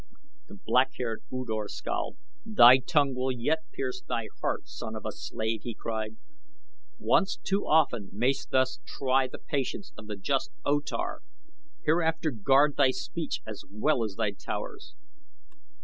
The black haired U Dor scowled. "Thy tongue will yet pierce thy heart, son of a slave!" he cried. "Once too often mayst thou try the patience of the just O Tar. Hereafter guard thy speech as well as thy towers."